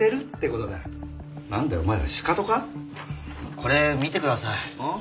これ見てください。